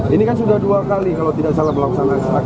ini kan sudah dua kali kalau tidak salah melaksanakan